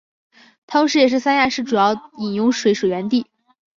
同时也是三亚市主要饮用水水源地。